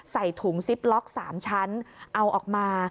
ใส่ถุงซิปล็อก๓ชั้นเอาออกมา